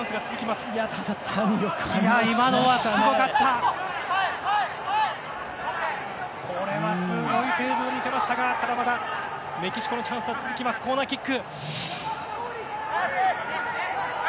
すごいセーブを見せましたがただ、まだメキシコのチャンスは続きます、コーナーキック。